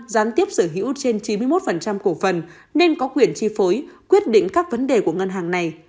gián tiếp sở hữu trên chín mươi một cổ phần nên có quyền chi phối quyết định các vấn đề của ngân hàng này